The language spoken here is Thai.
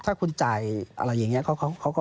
ถ้าคุณจ่ายอะไรอย่างนี้